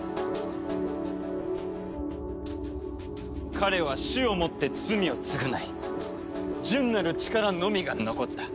彼は死をもって罪を償い純なる力のみが残った。